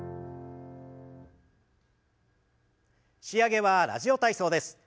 仕上げは「ラジオ体操」です。